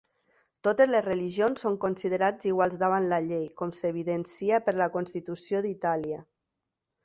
Totes les religions són considerats iguals davant la llei, com s'evidencia per la Constitució d'Itàlia.